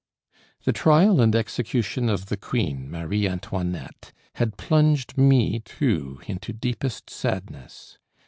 The trial and execution of the queen, Marie Antoinette, had plunged me, too, into deepest sadness.